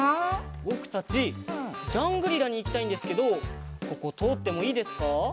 ぼくたちジャングリラにいきたいんですけどこことおってもいいですか？